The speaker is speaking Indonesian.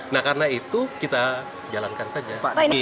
nah karena itu kita jalankan saja